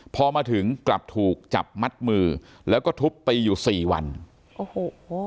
พอมาถึงกลับถูกจับมัดมือแล้วก็ทุบตีอยู่สี่วันโอ้โห